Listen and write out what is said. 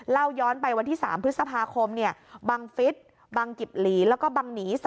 เล่าย้อนไปวันที่๓พฤษภาคมบังฟิศบังกิบหลีแล้วก็บังหนี